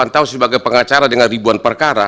delapan tahun sebagai pengacara dengan ribuan perkara